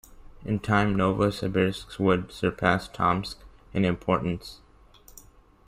In time, Novosibirsk would surpass Tomsk in importance.